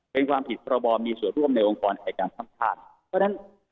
เป็นความผิดประบอบมีส่วนร่วมในองค์กรแข่งการสัมภาษณ์เพราะฉะนั้น